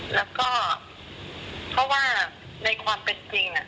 แล้วก็เพราะว่าในความเป็นจริง